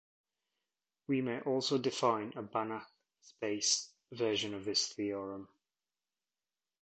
We may also define a Banach space version of this theorem.